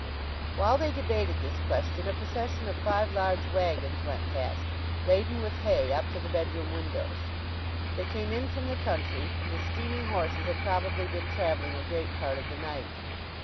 While they debated this question a procession of five large waggons went past, laden with hay up to the bedroom windows. They came in from the country, and the steaming horses had probably been travelling a great part of the night.